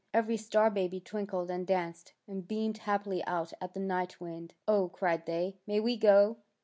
Every star baby twinkled and danced and beamed happily out at the Night Wind. '^ Oh," cried they, may we go?